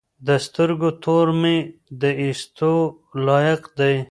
د سترګو تور مي د ايستو لايق دي